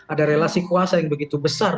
ada relasi kuasa yang begitu besar